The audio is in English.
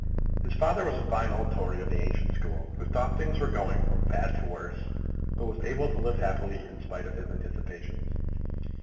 His father was a fine old Tory of the ancient school, who thought that things were going from bad to worse, but was able to live happily in spite of his anticipations.